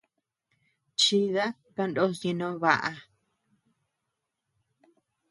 Chida kandos ñeʼe no baʼa.